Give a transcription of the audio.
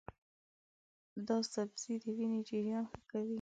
دا سبزی د وینې جریان ښه کوي.